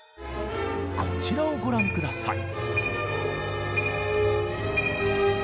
こちらをご覧ください。